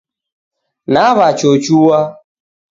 Nawachochua